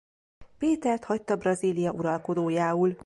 Pétert hagyta Brazília uralkodójául.